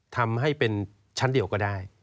ทำให้เป็นชั้นเดียวก็ได้